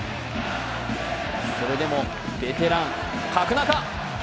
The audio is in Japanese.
それでもベテラン・角中。